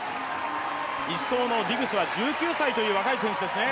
１走のディグスは１９歳という若い選手ですね。